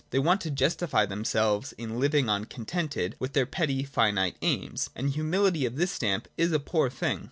They want to justify themselves in living on contented with their petty, finite aims. And humility of this stamp is a poor thing.